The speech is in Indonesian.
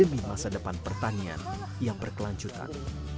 di masa depan pertanian yang berkelanjutan